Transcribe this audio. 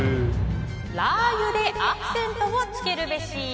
ラー油でアクセントをつけるべし。